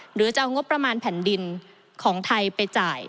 หรือจะเอางบประมาณแผ่นดินของไทยไปจ่าย